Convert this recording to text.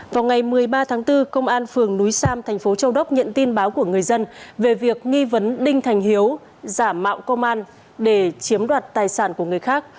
vào ngày một mươi ba tháng bốn công an phường núi sam thành phố châu đốc nhận tin báo của người dân về việc nghi vấn đinh thành hiếu giả mạo công an để chiếm đoạt tài sản của người khác